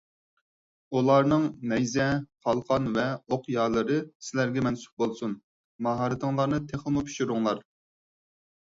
ئۇلارنىڭ نەيزە، قالقان ۋە ئوق يالىرى سىلەرگە مەنسۇپ بولسۇن، ماھارىتىڭلارنى تېخىمۇ پىشۇرۇڭلار.